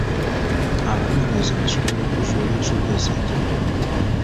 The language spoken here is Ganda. Abanoonyereza baasobola okuzuula ensobi ez’enjawulo.